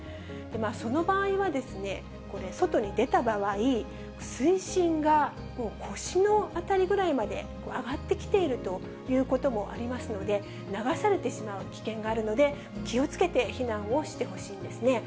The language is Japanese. その場合は、これ、外に出た場合、水深が腰の辺りぐらいまで上がってきているということもありますので、流されてしまう危険があるので、気をつけて避難をしてほしいんですね。